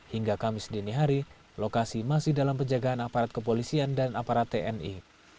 hingga kamis dini hari lokasi masih dalam penjagaan aparat kepolisian dan aparat tni